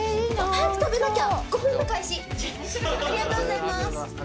ありがとうございます！